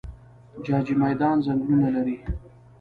جاجي میدان ځنګلونه لري؟